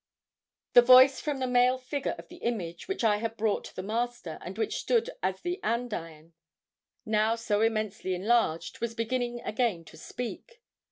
"The voice from the male figure of the image, which I had brought the Master, and which stood as the andiron, now so immensely enlarged, was beginning again to speak.